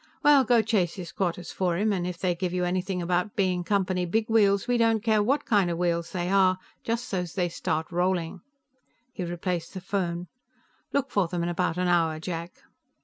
Well, go chase his squatters for him, and if they give you anything about being Company big wheels, we don't care what kind of wheels they are, just so's they start rolling." He replaced the phone. "Look for them in about an hour, Jack."